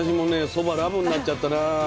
そばラブになっちゃったな。